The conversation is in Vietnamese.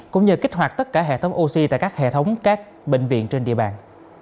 cũng như kích hoạt tất cả hệ thống oxy tại các hệ thống các bệnh viện trên địa bàn